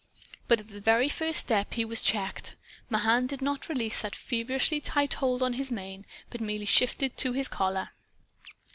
But at the very first step, he was checked. Mahan did not release that feverishly tight hold on his mane, but merely shifted to his collar.